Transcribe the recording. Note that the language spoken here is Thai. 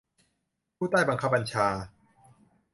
ผู้ใต้บังคับบัญชา